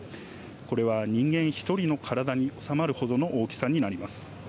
これは人間一人の体に収まるほどの大きさになります。